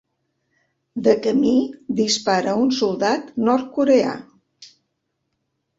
De camí, dispara a un soldat nord-coreà.